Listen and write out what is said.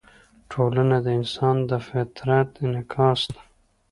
ټولنه د انسان د فطرت انعکاس ده.